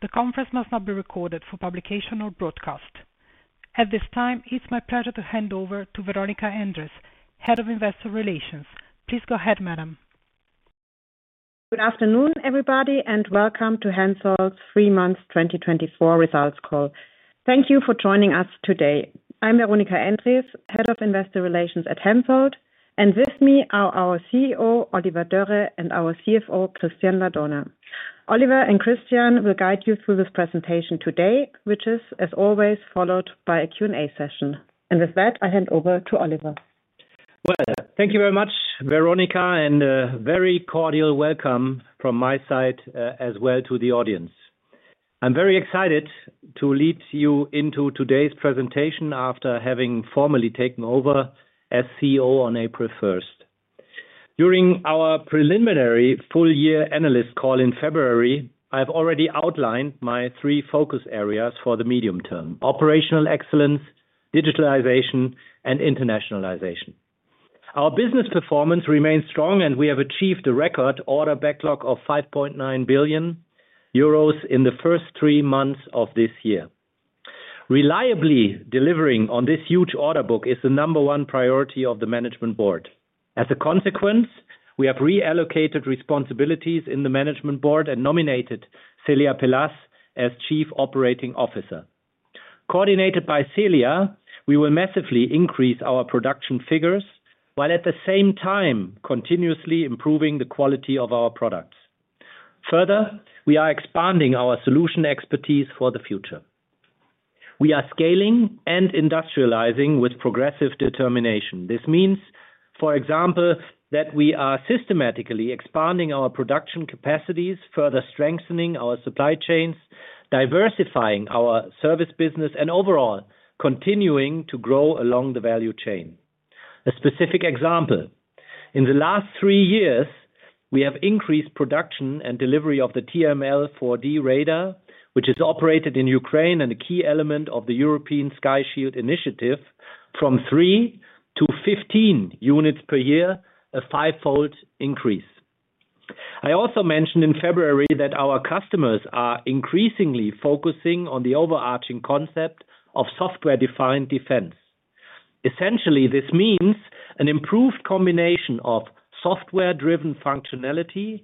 The conference must not be recorded for publication or broadcast. At this time, it's my pleasure to hand over to Veronika Endres, Head of Investor Relations. Please go ahead, Madam. Good afternoon, everybody, and welcome to Hensoldt's 3 months 2024 Results Call. Thank you for joining us today. I'm Veronika Endres, Head of Investor Relations at Hensoldt, and with me are our CEO, Oliver Dörre, and our CFO, Christian Ladurner. Oliver and Christian will guide you through this presentation today, which is, as always, followed by a Q&A session. With that, I hand over to Oliver. Well, thank you very much, Veronika, and a very cordial welcome from my side as well to the audience. I'm very excited to lead you into today's presentation after having formally taken over as CEO on April 1st. During our preliminary full-year analyst call in February, I've already outlined my three focus areas for the medium term: operational excellence, digitalization, and internationalization. Our business performance remains strong, and we have achieved a record order backlog of 5.9 billion euros in the first three months of this year. Reliably delivering on this huge order book is the number one priority of the management board. As a consequence, we have reallocated responsibilities in the management board and nominated Celia Pelaz as Chief Operating Officer. Coordinated by Celia, we will massively increase our production figures while at the same time continuously improving the quality of our products. Further, we are expanding our solution expertise for the future. We are scaling and industrializing with progressive determination. This means, for example, that we are systematically expanding our production capacities, further strengthening our supply chains, diversifying our service business, and overall continuing to grow along the value chain. A specific example: in the last three years, we have increased production and delivery of the TRML-4D radar, which is operated in Ukraine and a key element of the European Sky Shield Initiative, from 3 to 15 units per year, a fivefold increase. I also mentioned in February that our customers are increasingly focusing on the overarching concept of software-defined defense. Essentially, this means an improved combination of software-driven functionality,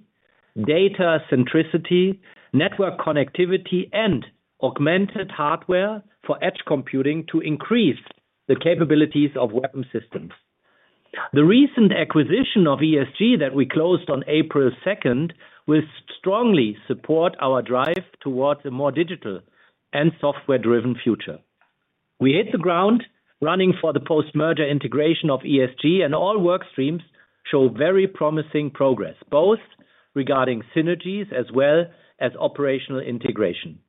data centricity, network connectivity, and augmented hardware for edge computing to increase the capabilities of weapon systems. The recent acquisition of ESG that we closed on April 2nd will strongly support our drive towards a more digital and software-driven future. We hit the ground running for the post-merger integration of ESG, and all workstreams show very promising progress, both regarding synergies as well as operational integration.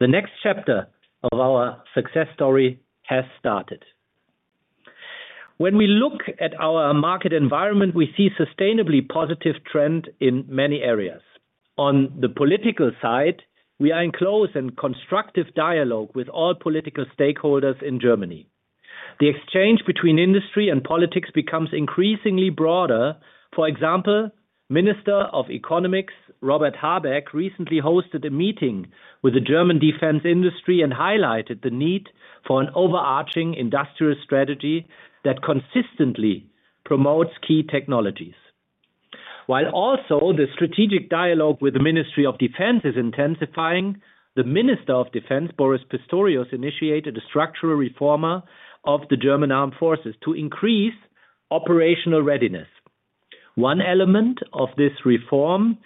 The next chapter of our success story has started. When we look at our market environment, we see a sustainably positive trend in many areas. On the political side, we are in close and constructive dialogue with all political stakeholders in Germany. The exchange between industry and politics becomes increasingly broader. For example, Minister of Economics Robert Habeck recently hosted a meeting with the German defense industry and highlighted the need for an overarching industrial strategy that consistently promotes key technologies. While also the strategic dialogue with the Ministry of Defense is intensifying, the Minister of Defense, Boris Pistorius, initiated a structural reform of the German Armed Forces to increase operational readiness. One element of this reform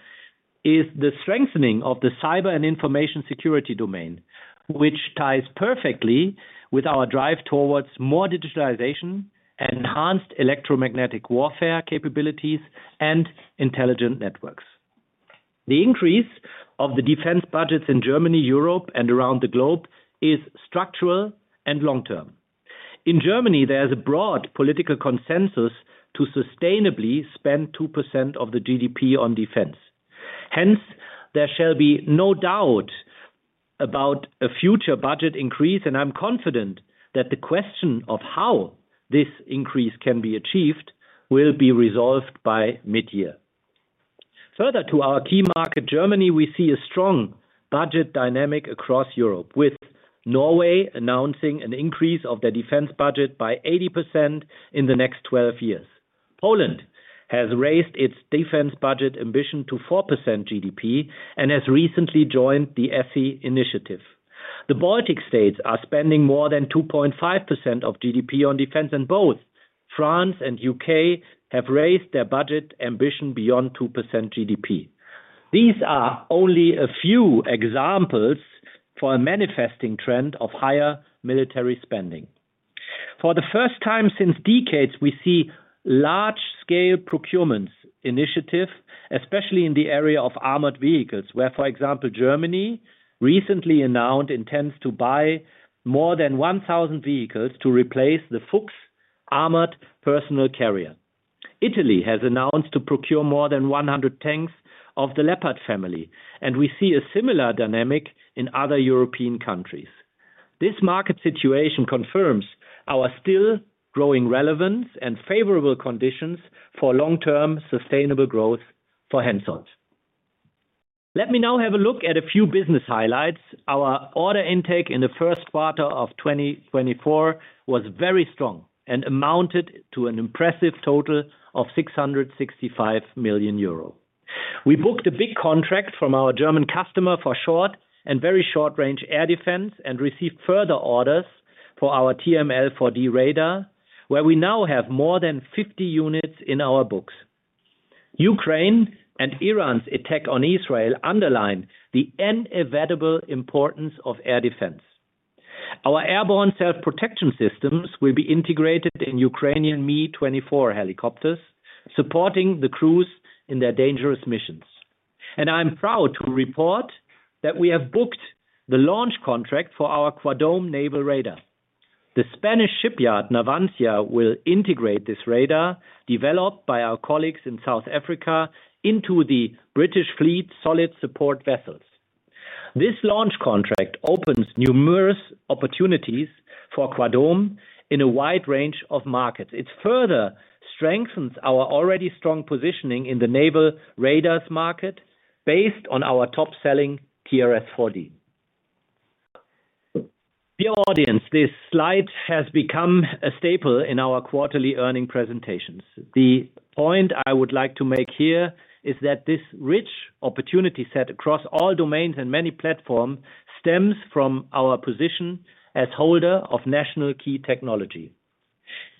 is the strengthening of the cyber and information security domain, which ties perfectly with our drive towards more digitalization, enhanced electromagnetic warfare capabilities, and intelligent networks. The increase of the defense budgets in Germany, Europe, and around the globe is structural and long-term. In Germany, there is a broad political consensus to sustainably spend 2% of the GDP on defense. Hence, there shall be no doubt about a future budget increase, and I'm confident that the question of how this increase can be achieved will be resolved by mid-year. Further to our key market, Germany, we see a strong budget dynamic across Europe, with Norway announcing an increase of their defense budget by 80% in the next 12 years. Poland has raised its defense budget ambition to 4% GDP and has recently joined the ESSI initiative. The Baltic States are spending more than 2.5% of GDP on defense, and both France and UK have raised their budget ambition beyond 2% GDP. These are only a few examples for a manifesting trend of higher military spending. For the first time since decades, we see large-scale procurements initiatives, especially in the area of armored vehicles, where, for example, Germany recently announced intends to buy more than 1,000 vehicles to replace the Fuchs armored personnel carrier. Italy has announced to procure more than 100 tanks of the Leopard family, and we see a similar dynamic in other European countries. This market situation confirms our still-growing relevance and favorable conditions for long-term sustainable growth for Hensoldt. Let me now have a look at a few business highlights. Our order intake in the first quarter of 2024 was very strong and amounted to an impressive total of 665 million euro. We booked a big contract from our German customer for short and very short-range air defense and received further orders for our TRML-4D radar, where we now have more than 50 units in our books. Ukraine and Iran's attack on Israel underline the inevitable importance of air defense. Our airborne self-protection systems will be integrated in Ukrainian Mi-24 helicopters, supporting the crews in their dangerous missions. And I'm proud to report that we have booked the launch contract for our Quadome naval radar. The Spanish shipyard Navantia will integrate this radar, developed by our colleagues in South Africa, into the British fleet's solid support vessels. This launch contract opens numerous opportunities for Quadome in a wide range of markets. It further strengthens our already strong positioning in the naval radars market based on our top-selling TRS-4D. Dear audience, this slide has become a staple in our quarterly earnings presentations. The point I would like to make here is that this rich opportunity set across all domains and many platforms stems from our position as holder of national key technology.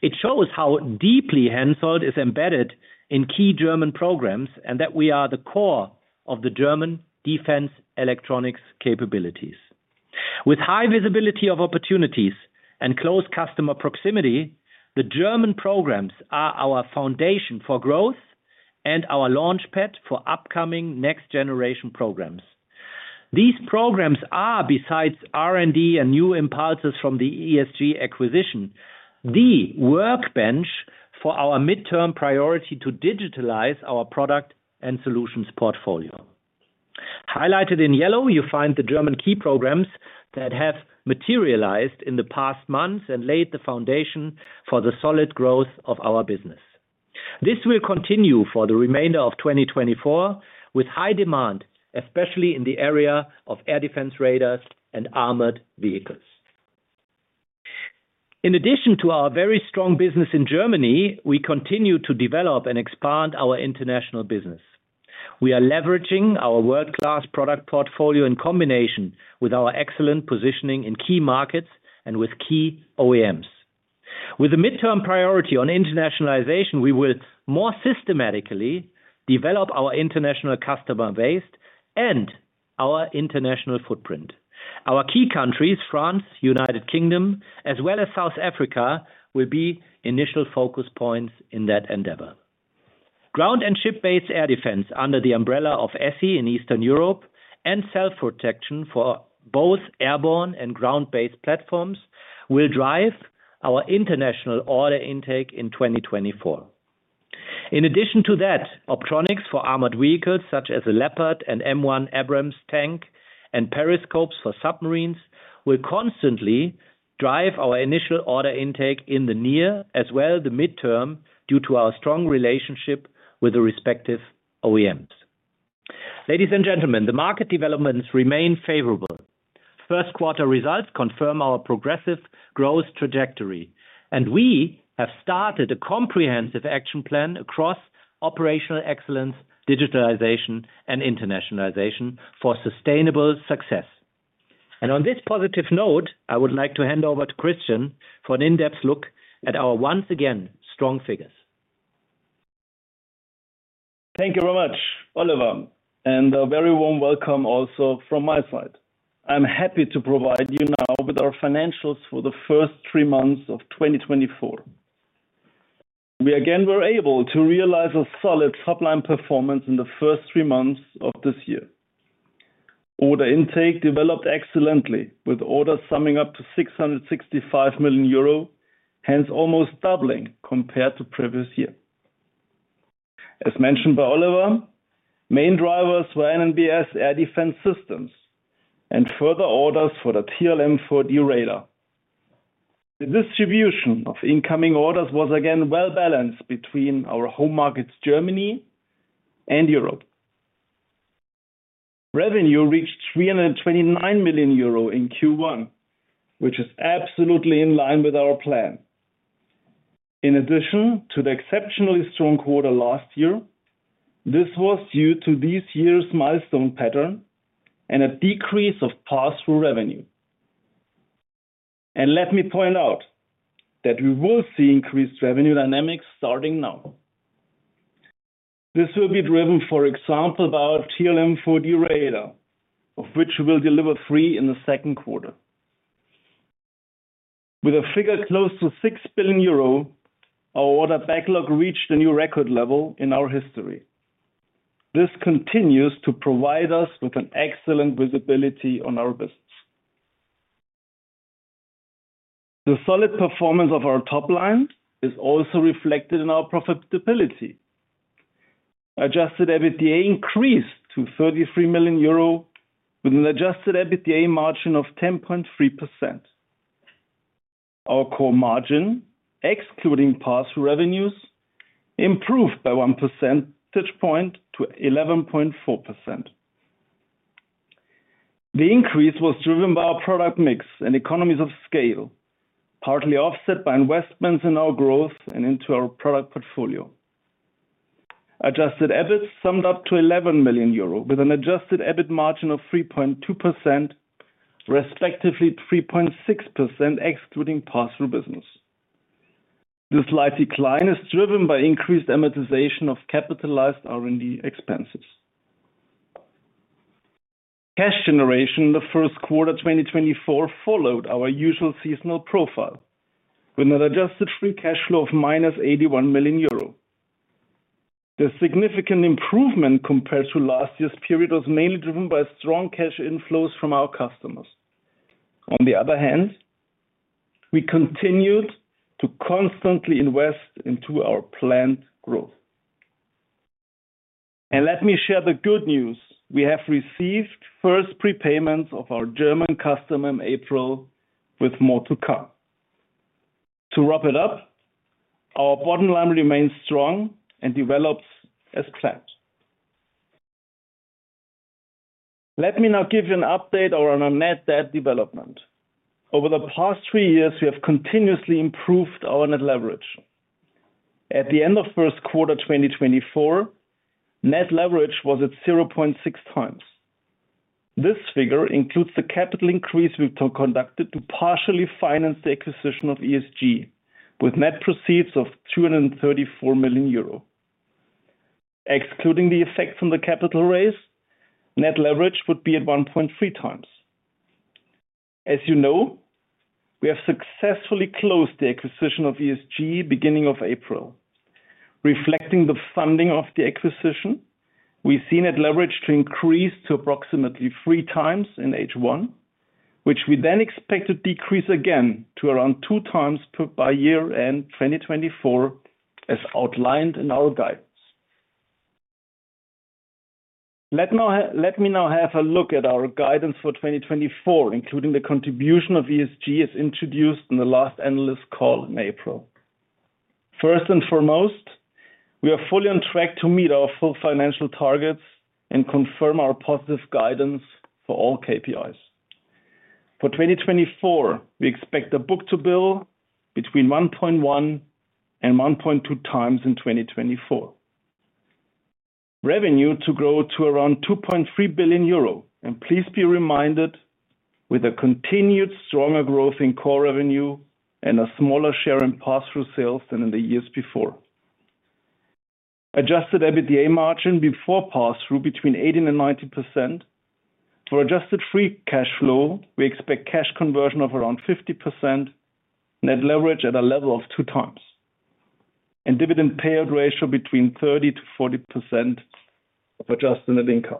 It shows how deeply Hensoldt is embedded in key German programs and that we are the core of the German defense electronics capabilities. With high visibility of opportunities and close customer proximity, the German programs are our foundation for growth and our launchpad for upcoming next-generation programs. These programs are, besides R&D and new impulses from the ESG acquisition, the workbench for our mid-term priority to digitalize our product and solutions portfolio. Highlighted in yellow, you find the German key programs that have materialized in the past months and laid the foundation for the solid growth of our business. This will continue for the remainder of 2024 with high demand, especially in the area of air defense radars and armored vehicles. In addition to our very strong business in Germany, we continue to develop and expand our international business. We are leveraging our world-class product portfolio in combination with our excellent positioning in key markets and with key OEMs. With a mid-term priority on internationalization, we will more systematically develop our international customer base and our international footprint. Our key countries, France, United Kingdom, as well as South Africa, will be initial focus points in that endeavor. Ground and ship-based air defense under the umbrella of ESSI in Eastern Europe and self-protection for both airborne and ground-based platforms will drive our international order intake in 2024. In addition to that, optronics for armored vehicles such as the Leopard and M1 Abrams tank and periscopes for submarines will constantly drive our initial order intake in the near as well as the mid-term due to our strong relationship with the respective OEMs. Ladies and gentlemen, the market developments remain favorable. First-quarter results confirm our progressive growth trajectory, and we have started a comprehensive action plan across operational excellence, digitalization, and internationalization for sustainable success. On this positive note, I would like to hand over to Christian for an in-depth look at our once again strong figures. Thank you very much, Oliver, and a very warm welcome also from my side. I'm happy to provide you now with our financials for the first three months of 2024. We again were able to realize a solid supply performance in the first three months of this year. Order intake developed excellently, with orders summing up to 665 million euro, hence almost doubling compared to the previous year. As mentioned by Oliver, main drivers were NNbS air defense systems and further orders for the TRML-4D radar. The distribution of incoming orders was again well balanced between our home markets, Germany and Europe. Revenue reached 329 million euro in Q1, which is absolutely in line with our plan. In addition to the exceptionally strong quarter last year, this was due to this year's milestone pattern and a decrease of pass-through revenue. Let me point out that we will see increased revenue dynamics starting now. This will be driven, for example, by our TRML-4D radar, of which we will deliver three in the second quarter. With a figure close to 6 billion euro, our order backlog reached a new record level in our history. This continues to provide us with excellent visibility on our business. The solid performance of our top line is also reflected in our profitability. Adjusted EBITDA increased to 33 million euro with an adjusted EBITDA margin of 10.3%. Our core margin, excluding pass-through revenues, improved by one percentage point to 11.4%. The increase was driven by our product mix and economies of scale, partly offset by investments in our growth and into our product portfolio. Adjusted EBIT summed up to 11 million euro with an adjusted EBIT margin of 3.2%, respectively 3.6% excluding pass-through business. This slight decline is driven by increased amortization of capitalized R&D expenses. Cash generation in the first quarter 2024 followed our usual seasonal profile with an adjusted free cash flow of minus 81 million euro. The significant improvement compared to last year's period was mainly driven by strong cash inflows from our customers. On the other hand, we continued to constantly invest into our planned growth. And let me share the good news. We have received first prepayments of our German customer in April with more to come. To wrap it up, our bottom line remains strong and develops as planned. Let me now give you an update on our net debt development. Over the past 3 years, we have continuously improved our net leverage. At the end of first quarter 2024, net leverage was at 0.6x. This figure includes the capital increase we've conducted to partially finance the acquisition of ESG with net proceeds of 234 million euro. Excluding the effects from the capital raise, net leverage would be at 1.3x. As you know, we have successfully closed the acquisition of ESG beginning of April. Reflecting the funding of the acquisition, we see net leverage to increase to approximately 3x in H1, which we then expect to decrease again to around 2 times per year end 2024 as outlined in our guidance. Let me now have a look at our guidance for 2024, including the contribution of ESG as introduced in the last analyst call in April. First and foremost, we are fully on track to meet our full financial targets and confirm our positive guidance for all KPIs. For 2024, we expect the book to bill between 1.1 and 1.2x in 2024. Revenue to grow to around 2.3 billion euro. Please be reminded, with a continued stronger growth in core revenue and a smaller share in pass-through sales than in the years before. Adjusted EBITDA margin before pass-through between 18% and 90%. For adjusted free cash flow, we expect cash conversion of around 50%, net leverage at a level of 2x, and dividend payout ratio between 30%-40% of adjusted net income.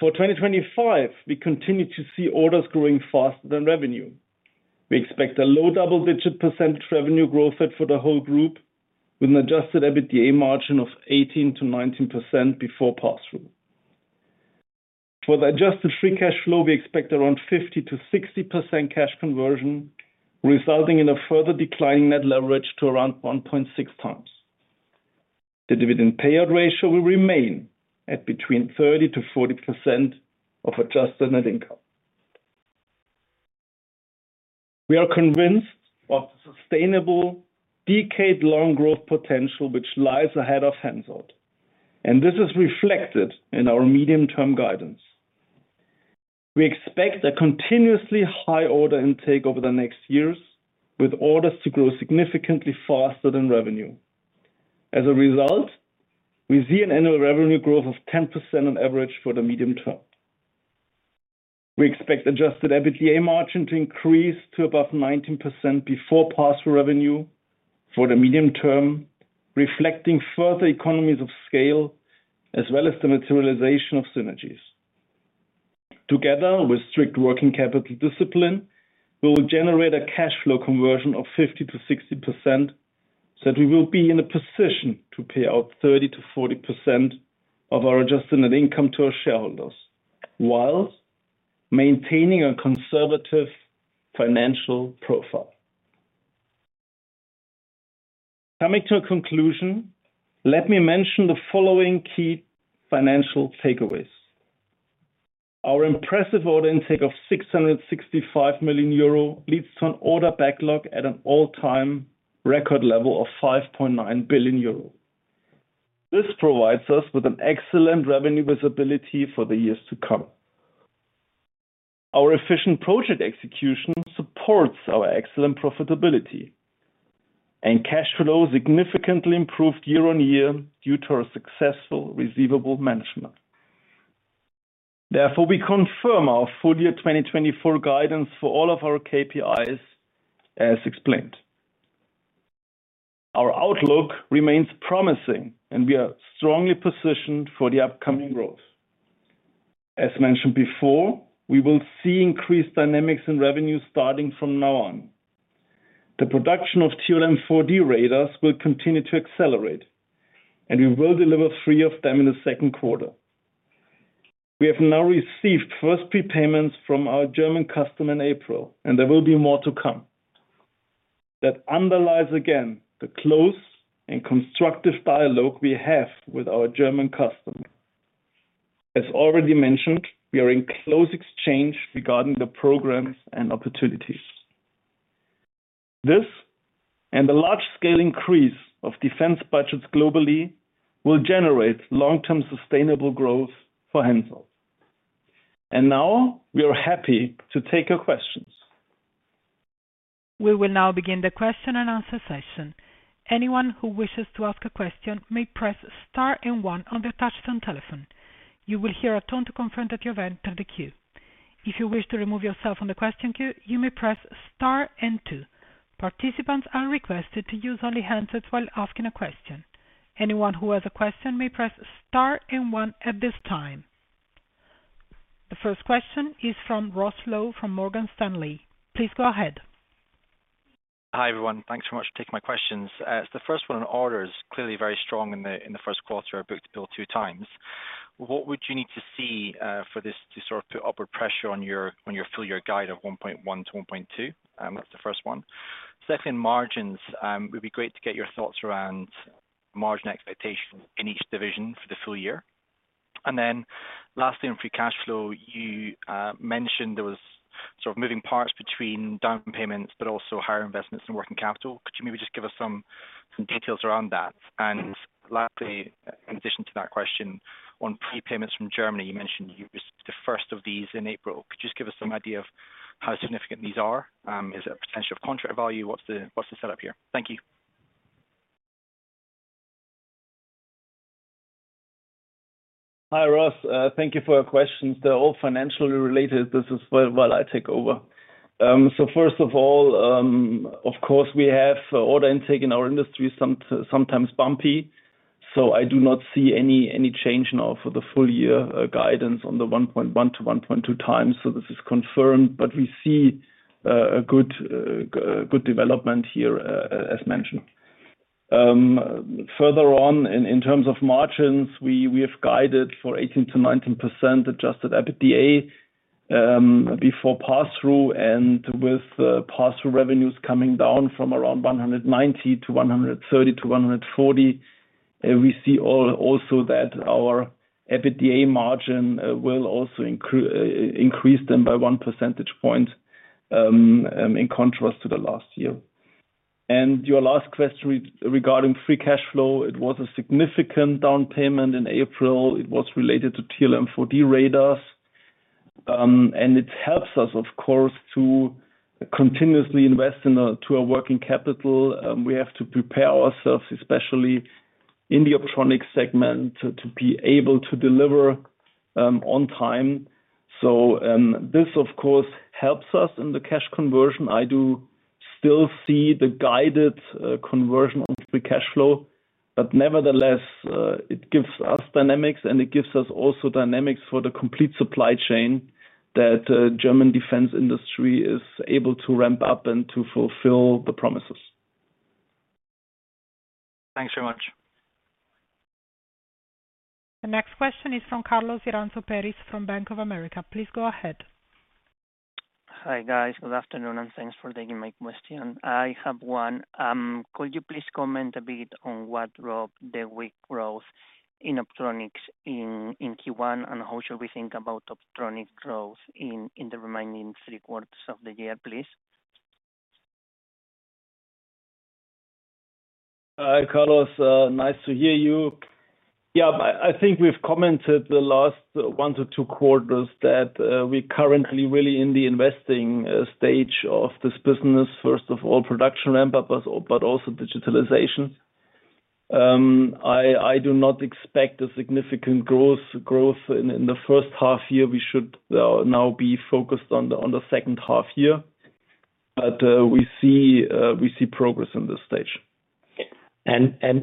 For 2025, we continue to see orders growing faster than revenue. We expect a low double-digit % revenue growth for the whole group with an adjusted EBITDA margin of 18%-19% before pass-through. For the adjusted free cash flow, we expect around 50%-60% cash conversion, resulting in a further declining net leverage to around 1.6x. The dividend payout ratio will remain at between 30%-40% of adjusted net income. We are convinced of the sustainable decade-long growth potential which lies ahead of Hensoldt. This is reflected in our medium-term guidance. We expect a continuously high order intake over the next years with orders to grow significantly faster than revenue. As a result, we see an annual revenue growth of 10% on average for the medium term. We expect adjusted EBITDA margin to increase to above 19% before pass-through revenue for the medium term, reflecting further economies of scale as well as the materialization of synergies. Together with strict working capital discipline, we will generate a cash flow conversion of 50%-60% so that we will be in a position to pay out 30%-40% of our adjusted net income to our shareholders while maintaining a conservative financial profile. Coming to a conclusion, let me mention the following key financial takeaways. Our impressive order intake of 665 million euro leads to an order backlog at an all-time record level of 5.9 billion euro. This provides us with excellent revenue visibility for the years to come. Our efficient project execution supports our excellent profitability, and cash flow significantly improved year on year due to our successful receivable management. Therefore, we confirm our full year 2024 guidance for all of our KPIs as explained. Our outlook remains promising, and we are strongly positioned for the upcoming growth. As mentioned before, we will see increased dynamics in revenue starting from now on. The production of TRML-4D radars will continue to accelerate, and we will deliver three of them in the second quarter. We have now received first prepayments from our German customer in April, and there will be more to come. That underlies again the close and constructive dialogue we have with our German customer. As already mentioned, we are in close exchange regarding the programs and opportunities. This and the large-scale increase of defense budgets globally will generate long-term sustainable growth for Hensoldt. Now we are happy to take your questions. We will now begin the question-and-answer session. Anyone who wishes to ask a question may press star and one on their touchscreen telephone. You will hear a tone to confirm at your end through the queue. If you wish to remove yourself from the question queue, you may press star and two. Participants are requested to use only handsets while asking a question. Anyone who has a question may press star and one at this time. The first question is from Ross Law from Morgan Stanley. Please go ahead. Hi, everyone. Thanks so much for taking my questions. The first one on orders is clearly very strong in the first quarter. Our book-to-bill 2x. What would you need to see for this to sort of put upward pressure on your full year guide of 1.1-1.2? That's the first one. Second, margins. It would be great to get your thoughts around margin expectations in each division for the full year. And then lastly, on free cash flow, you mentioned there was sort of moving parts between down payments but also higher investments in working capital. Could you maybe just give us some details around that? And lastly, in addition to that question, on prepayments from Germany, you mentioned you received the first of these in April. Could you just give us some idea of how significant these are? Is it a potential of contract value? What's the setup here? Thank you. Hi, Ross. Thank you for your questions. They're all financially related. This is while I take over. So first of all, of course, we have order intake in our industry sometimes bumpy. So I do not see any change now for the full year guidance on the 1.1-1.2x. So this is confirmed. But we see a good development here, as mentioned. Further on, in terms of margins, we have guided for 18%-19% adjusted EBITDA before pass-through. And with pass-through revenues coming down from around 190 to 130-140, we see also that our EBITDA margin will also increase them by one percentage point in contrast to the last year. And your last question regarding free cash flow, it was a significant down payment in April. It was related to TRML-4D radars. It helps us, of course, to continuously invest into our working capital. We have to prepare ourselves, especially in the Optronics segment, to be able to deliver on time. So this, of course, helps us in the cash conversion. I do still see the guided conversion on free cash flow. But nevertheless, it gives us dynamics, and it gives us also dynamics for the complete supply chain that German defense industry is able to ramp up and to fulfill the promises. Thanks very much. The next question is from Carlos Iranzo Peris from Bank of America. Please go ahead. Hi, guys. Good afternoon. Thanks for taking my question. I have one. Could you please comment a bit on what drove the weak growth in optronics in Q1 and how should we think about optronics growth in the remaining three quarters of the year, please? Hi, Carlos. Nice to hear you. Yeah, I think we've commented the last 1-2 quarters that we're currently really in the investing stage of this business, first of all, production ramp-up, but also digitalization. I do not expect a significant growth in the first half year. We should now be focused on the second half year. But we see progress in this stage.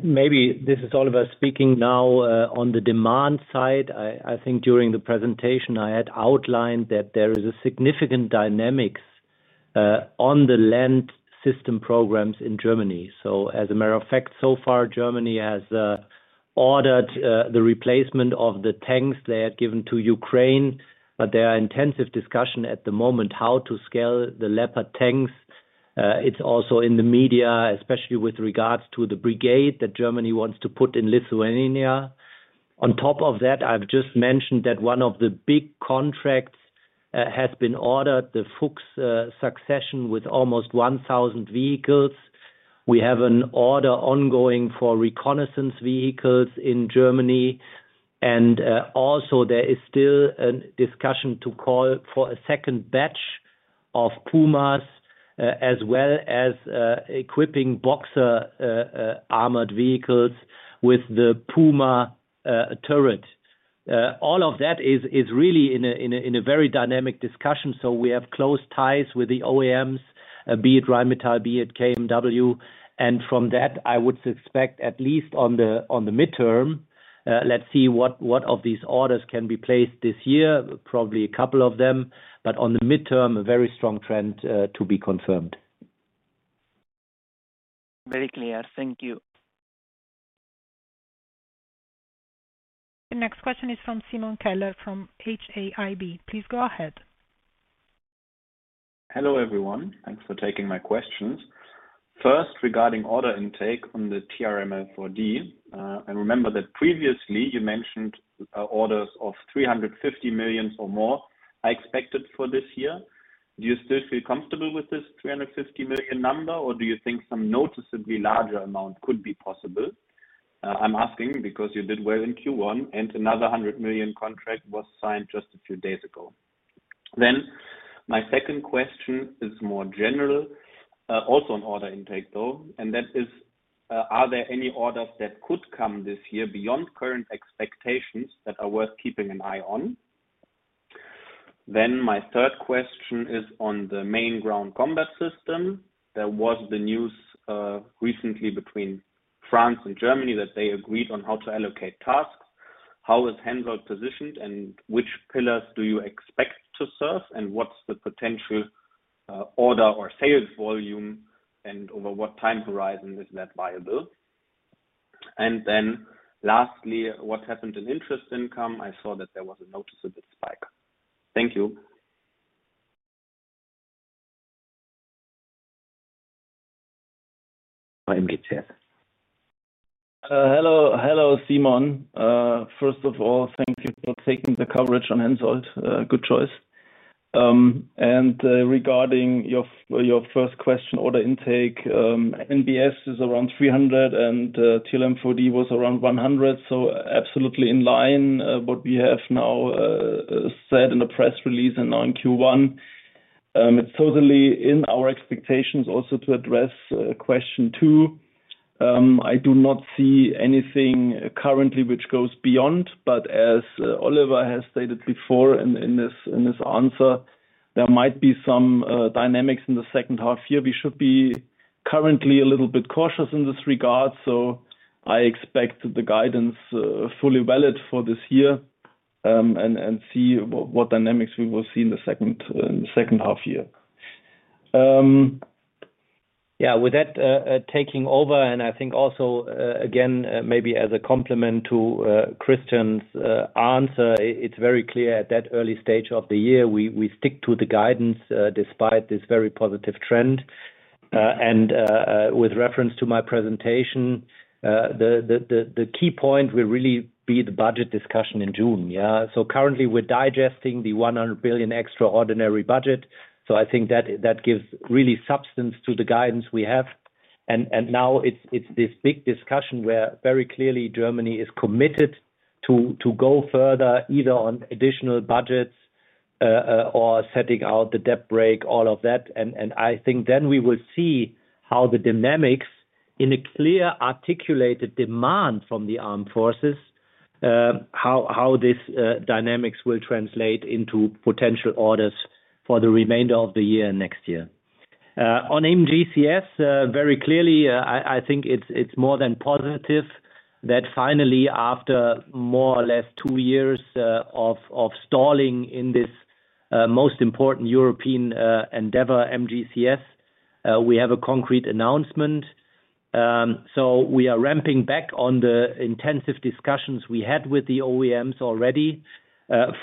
Maybe this is Oliver speaking now on the demand side. I think during the presentation, I had outlined that there is a significant dynamics on the land system programs in Germany. So as a matter of fact, so far, Germany has ordered the replacement of the tanks they had given to Ukraine. But there are intensive discussions at the moment how to scale the Leopard tanks. It's also in the media, especially with regards to the brigade that Germany wants to put in Lithuania. On top of that, I've just mentioned that one of the big contracts has been ordered, the Fuchs succession with almost 1,000 vehicles. We have an order ongoing for reconnaissance vehicles in Germany. Also, there is still a discussion to call for a second batch of Pumas as well as equipping Boxer armored vehicles with the Puma turret. All of that is really in a very dynamic discussion. So we have close ties with the OEMs, be it Rheinmetall, be it KMW. And from that, I would suspect, at least on the midterm, let's see what of these orders can be placed this year, probably a couple of them. But on the midterm, a very strong trend to be confirmed. Very clear. Thank you. The next question is from Simon Keller from HAIB. Please go ahead. Hello, everyone. Thanks for taking my questions. First, regarding order intake on the TRML-4D, I remember that previously you mentioned orders of 350 million or more I expected for this year. Do you still feel comfortable with this 350 million number, or do you think some noticeably larger amount could be possible? I'm asking because you did well in Q1, and another 100 million contract was signed just a few days ago. Then my second question is more general, also an order intake, though. And that is, are there any orders that could come this year beyond current expectations that are worth keeping an eye on? Then my third question is on the Main Ground Combat System. There was the news recently between France and Germany that they agreed on how to allocate tasks. How is Hensoldt positioned, and which pillars do you expect to serve, and what's the potential order or sales volume, and over what time horizon is that viable? And then lastly, what happened in interest income? I saw that there was a noticeable spike. Thank you. Hi, MGCS. Hello, Simon. First of all, thank you for taking the coverage on Hensoldt. Good choice. And regarding your first question, order intake, NBS is around 300, and TRML-4D was around 100. So absolutely in line what we have now said in the press release and now in Q1. It's totally in our expectations also to address question two. I do not see anything currently which goes beyond. But as Oliver has stated before in his answer, there might be some dynamics in the second half year. We should be currently a little bit cautious in this regard. So I expect the guidance fully valid for this year and see what dynamics we will see in the second half year. Yeah, with that taking over, and I think also, again, maybe as a complement to Christian's answer, it's very clear at that early stage of the year, we stick to the guidance despite this very positive trend. And with reference to my presentation, the key point will really be the budget discussion in June, yeah? So currently, we're digesting the 100 billion extraordinary budget. So I think that gives really substance to the guidance we have. And now it's this big discussion where very clearly Germany is committed to go further either on additional budgets or setting out the debt brake, all of that. And I think then we will see how the dynamics in a clear articulated demand from the armed forces, how this dynamics will translate into potential orders for the remainder of the year and next year. On MGCS, very clearly, I think it's more than positive that finally, after more or less two years of stalling in this most important European endeavor, MGCS, we have a concrete announcement. So we are ramping back on the intensive discussions we had with the OEMs already.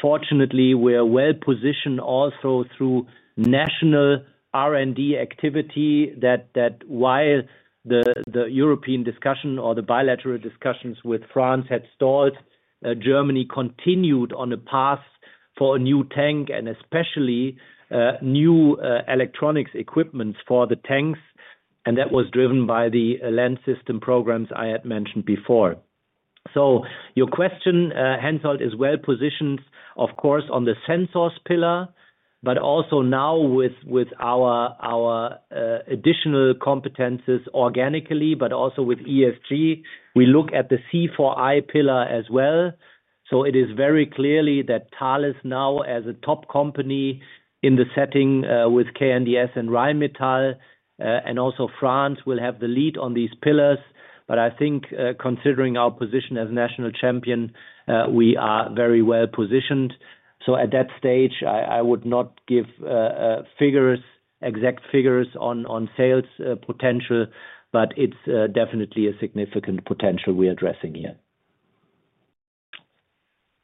Fortunately, we're well positioned also through national R&D activity that while the European discussion or the bilateral discussions with France had stalled, Germany continued on a path for a new tank and especially new electronics equipment for the tanks. And that was driven by the land system programs I had mentioned before. So your question, Hensoldt, is well positioned, of course, on the sensors pillar, but also now with our additional competences organically, but also with ESG. We look at the C4I pillar as well. So it is very clearly that Thales now, as a top company in the setting with KNDS and Rheinmetall, and also France will have the lead on these pillars. But I think considering our position as national champion, we are very well positioned. So at that stage, I would not give exact figures on sales potential, but it's definitely a significant potential we're addressing here.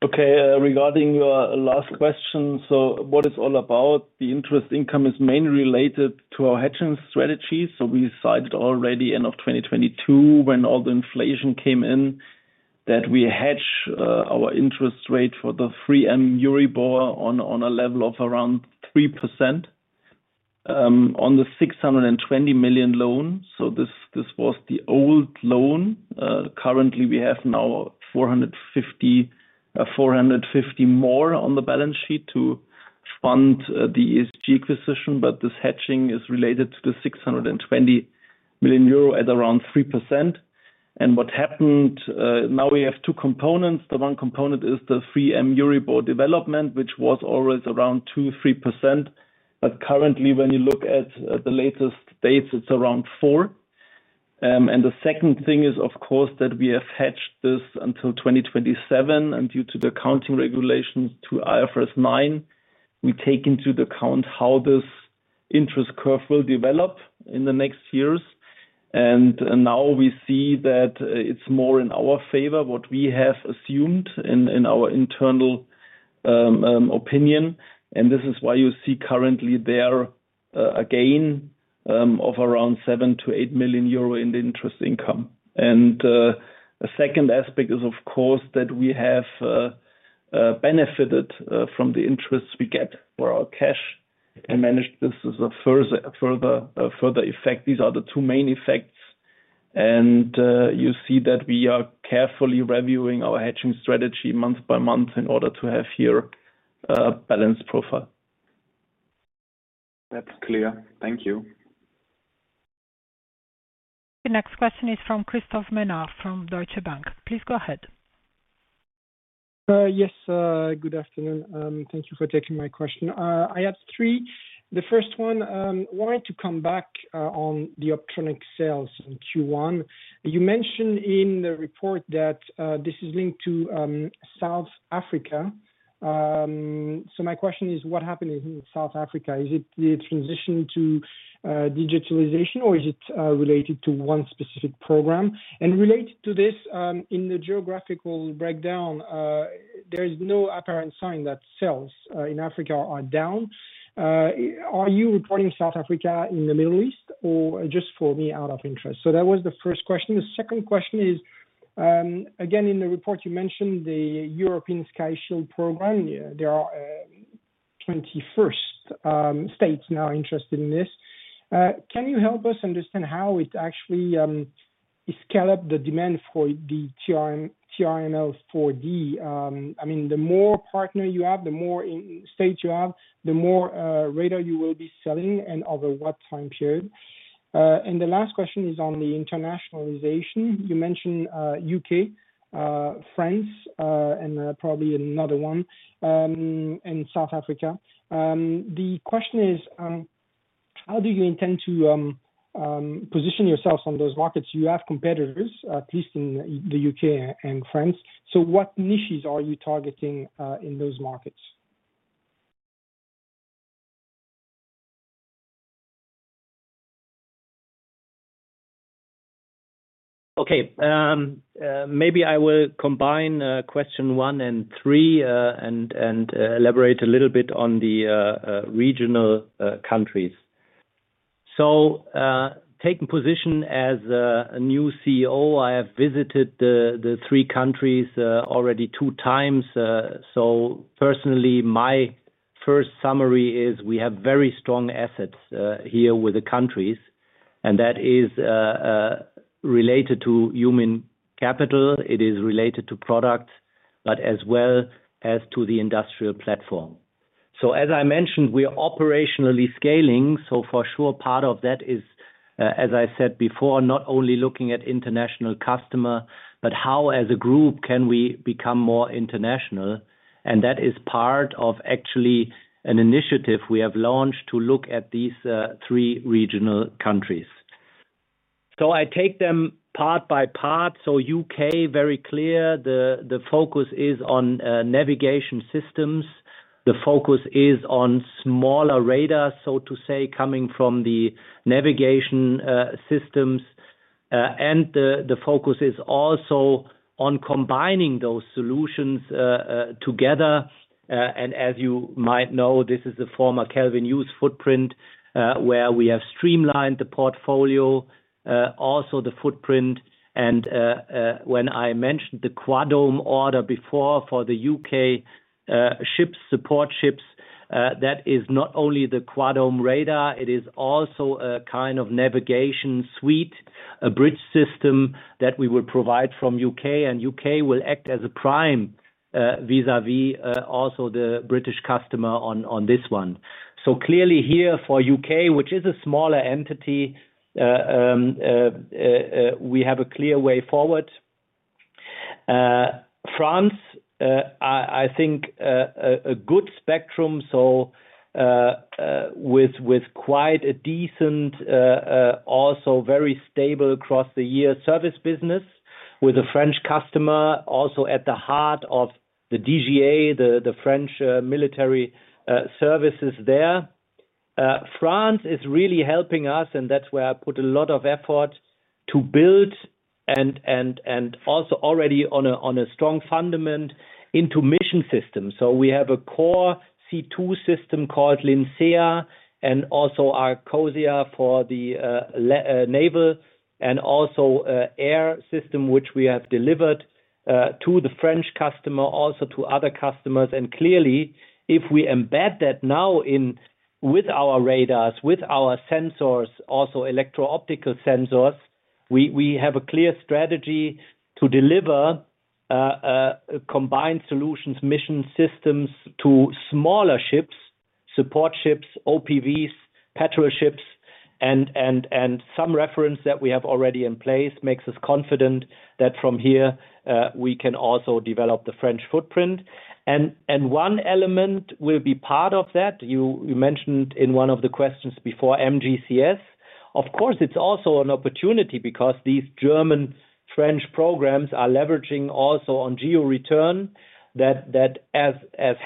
Okay. Regarding your last question, so what it's all about, the interest income is mainly related to our hedging strategies. So we cited already end of 2022 when all the inflation came in that we hedge our interest rate for the 3M Euribor on a level of around 3% on the 620 million loan. So this was the old loan. Currently, we have now 450 million more on the balance sheet to fund the ESG acquisition. But this hedging is related to the 620 million euro at around 3%. And what happened now, we have two components. The one component is the 3M Euribor development, which was always around 2%-3%. But currently, when you look at the latest data, it's around 4%. And the second thing is, of course, that we have hedged this until 2027. Due to the accounting regulations to IFRS 9, we take into account how this interest curve will develop in the next years. Now we see that it's more in our favor, what we have assumed in our internal opinion. This is why you see currently there a gain of around 7-8 million euro in the interest income. A second aspect is, of course, that we have benefited from the interests we get for our cash and managed this as a further effect. These are the two main effects. You see that we are carefully reviewing our hedging strategy month by month in order to have here a balanced profile. That's clear. Thank you. The next question is from Christophe Menard from Deutsche Bank. Please go ahead. Yes. Good afternoon. Thank you for taking my question. I had three. The first one, I wanted to come back on the Optronics sales in Q1. You mentioned in the report that this is linked to South Africa. So my question is, what happened in South Africa? Is it the transition to digitalization, or is it related to one specific program? And related to this, in the geographical breakdown, there is no apparent sign that sales in Africa are down. Are you reporting South Africa in the Middle East, or just for me, out of interest? So that was the first question. The second question is, again, in the report, you mentioned the European Sky Shield program. There are 21 states now interested in this. Can you help us understand how it actually scaled up the demand for the TRML-4D? I mean, the more partners you have, the more states you have, the more radar you will be selling and over what time period? And the last question is on the internationalization. You mentioned U.K., France, and probably another one in South Africa. The question is, how do you intend to position yourself on those markets? You have competitors, at least in the U.K. and France. So what niches are you targeting in those markets? Okay. Maybe I will combine question 1 and 3 and elaborate a little bit on the regional countries. So taking position as a new CEO, I have visited the 3 countries already 2x. So personally, my first summary is we have very strong assets here with the countries. And that is related to human capital. It is related to products, but as well as to the industrial platform. So as I mentioned, we're operationally scaling. So for sure, part of that is, as I said before, not only looking at international customer, but how as a group can we become more international? And that is part of actually an initiative we have launched to look at these 3 regional countries. So I take them part by part. So U.K., very clear. The focus is on navigation systems. The focus is on smaller radars, so to say, coming from the navigation systems. And the focus is also on combining those solutions together. And as you might know, this is a former Kelvin Hughes footprint where we have streamlined the portfolio, also the footprint. And when I mentioned the Quadome order before for the U.K. support ships, that is not only the Quadome radar. It is also a kind of navigation suite, a bridge system that we will provide from U.K. And U.K. will act as a prime vis-à-vis also the British customer on this one. So clearly here for U.K., which is a smaller entity, we have a clear way forward. France, I think a good spectrum, so with quite a decent, also very stable across the year service business with a French customer also at the heart of the DGA, the French military services there. France is really helping us, and that's where I put a lot of effort to build and also already on a strong foundation in mission systems. So we have a core C2 system called LYNCEA and also our ARGOS for the naval and also air system, which we have delivered to the French customer, also to other customers. And clearly, if we embed that now with our radars, with our sensors, also electro-optical sensors, we have a clear strategy to deliver combined solutions, mission systems to smaller ships, support ships, OPVs, patrol ships. And some reference that we have already in place makes us confident that from here, we can also develop the French footprint. And one element will be part of that. You mentioned in one of the questions before MGCS. Of course, it's also an opportunity because these German-French programs are leveraging also on geo-return that as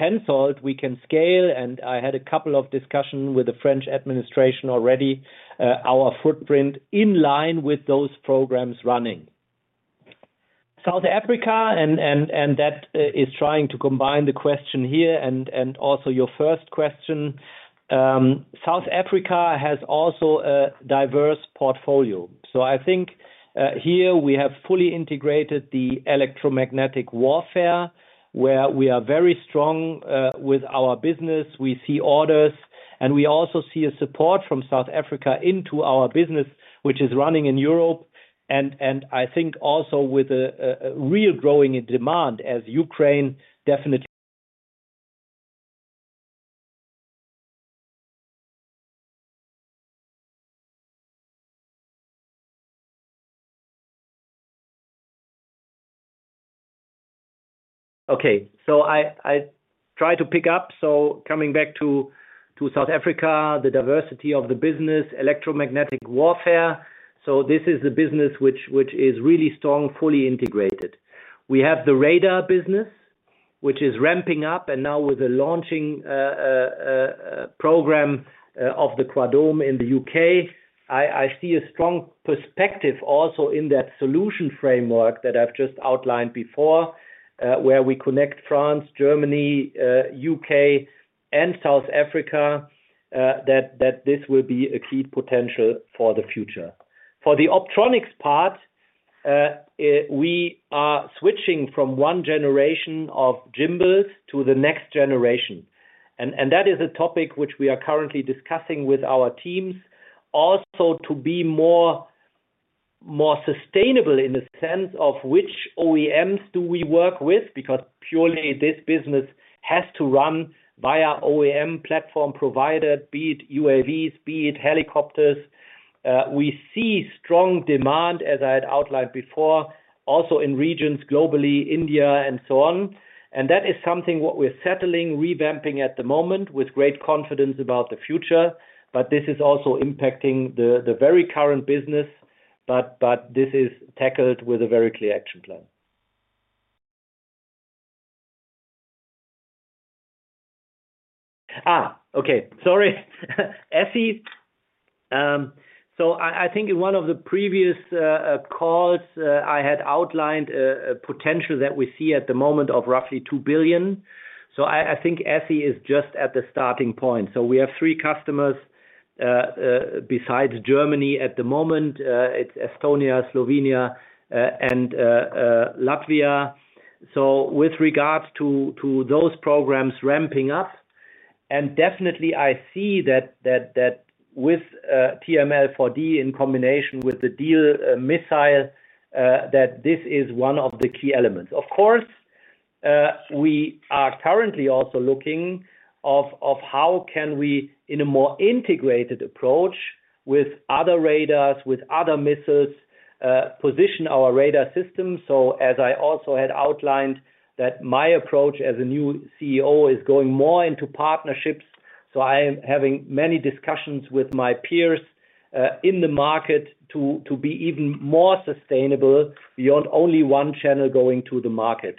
Hensoldt, we can scale. And I had a couple of discussions with the French administration already, our footprint in line with those programs running. South Africa, and that is trying to combine the question here and also your first question. South Africa has also a diverse portfolio. So I think here we have fully integrated the electromagnetic warfare where we are very strong with our business. We see orders, and we also see a support from South Africa into our business, which is running in Europe. And I think also with a real growing demand as Ukraine definitely. Okay. So I tried to pick up. So coming back to South Africa, the diversity of the business, electromagnetic warfare. So this is a business which is really strong, fully integrated. We have the radar business, which is ramping up and now with a launching program of the Quadome in the U.K. I see a strong perspective also in that solution framework that I've just outlined before where we connect France, Germany, U.K., and South Africa that this will be a key potential for the future. For the Optronics part, we are switching from one generation of gimbals to the next generation. And that is a topic which we are currently discussing with our teams also to be more sustainable in the sense of which OEMs do we work with because purely this business has to run via OEM platform provider, be it UAVs, be it helicopters. We see strong demand, as I had outlined before, also in regions globally, India, and so on. And that is something what we're settling, revamping at the moment with great confidence about the future. This is also impacting the very current business. This is tackled with a very clear action plan. Okay. Sorry. ESSI. So I think in one of the previous calls, I had outlined a potential that we see at the moment of roughly 2 billion. So I think ESSI is just at the starting point. So we have three customers besides Germany at the moment. It's Estonia, Slovenia, and Latvia. So with regard to those programs ramping up, and definitely, I see that with TRML-4D in combination with the Diehl missile, that this is one of the key elements. Of course, we are currently also looking at how can we, in a more integrated approach with other radars, with other missiles, position our radar systems. So as I also had outlined, that my approach as a new CEO is going more into partnerships. So I am having many discussions with my peers in the market to be even more sustainable beyond only one channel going to the market.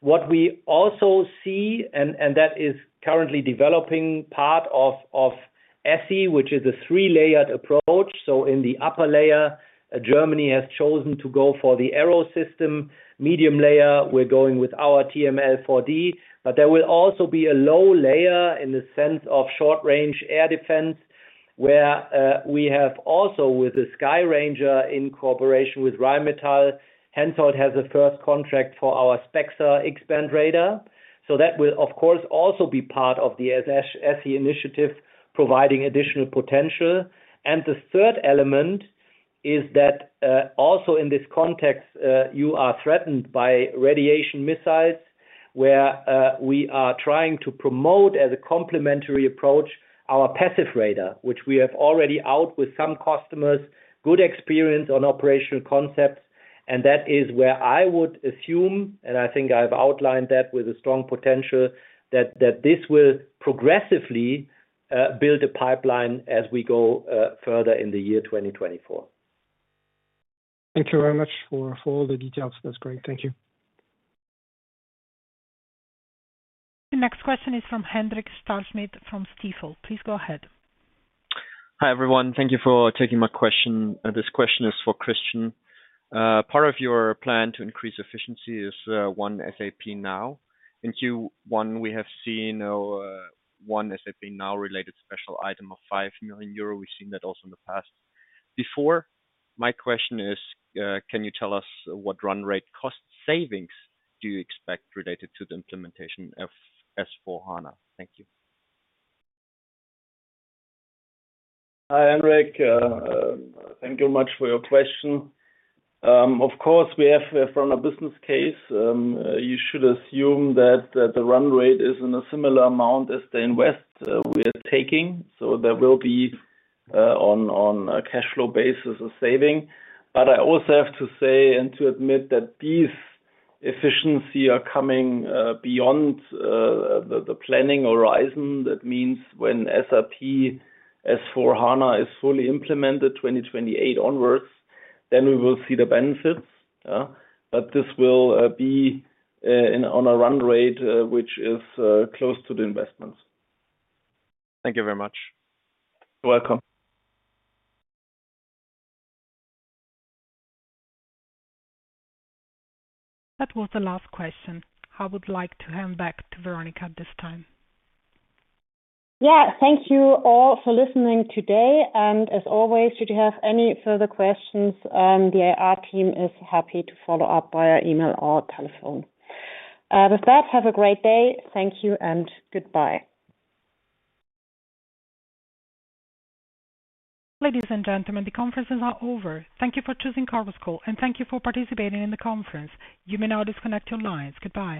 What we also see, and that is currently developing part of ESSI, which is a three-layered approach. So in the upper layer, Germany has chosen to go for the Arrow system. Medium layer, we're going with our TRML-4D. But there will also be a low layer in the sense of short-range air defense where we have also with the Skyranger in cooperation with Rheinmetall, Hensoldt has a first contract for our SPEXER X-band radar. So that will, of course, also be part of the ESSI initiative providing additional potential. The third element is that also in this context, you are threatened by anti-radiation missiles, where we are trying to promote as a complementary approach our passive radar, which we have already rolled out with some customers with good experience on operational concepts. And that is where I would assume, and I think I've outlined that with a strong potential, that this will progressively build a pipeline as we go further in the year 2024. Thank you very much for all the details. That's great. Thank you. The next question is from Hendrik Stahlschmidt from Stifel. Please go ahead. Hi, everyone. Thank you for taking my question. This question is for Christian. Part of your plan to increase efficiency is one SAP Now. In Q1, we have seen one SAP Now-related special item of 5 million euro. We've seen that also in the past before. My question is, can you tell us what run rate cost savings do you expect related to the implementation of S/4HANA? Thank you. Hi, Hendrik. Thank you much for your question. Of course, we have from a business case, you should assume that the run rate is in a similar amount as the invest we are taking. So there will be on a cash flow basis a saving. But I also have to say and to admit that these efficiencies are coming beyond the planning horizon. That means when SAP S/4HANA is fully implemented 2028 onwards, then we will see the benefits. But this will be on a run rate which is close to the investments. Thank you very much. You're welcome. That was the last question. I would like to hand back to Veronika this time. Yeah. Thank you all for listening today. As always, should you have any further questions, the AR team is happy to follow up via email or telephone. With that, have a great day. Thank you and goodbye. Ladies and gentlemen, the conferences are over. Thank you for choosing Chorus Call, and thank you for participating in the conference. You may now disconnect your lines. Goodbye.